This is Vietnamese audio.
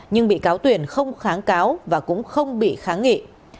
nhưng bị cáo tuyển không kháng cáo và cũng không bị kháng nghị